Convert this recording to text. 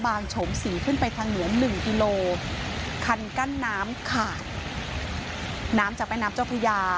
โฉมศรีขึ้นไปทางเหนือหนึ่งกิโลคันกั้นน้ำขาดน้ำจากแม่น้ำเจ้าพญา